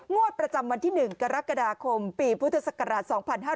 งวดประจำวันที่๑กรกฎาคมปีพุทธศักราช๒๕๕๙